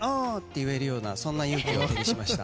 言えるような勇気を手にしました。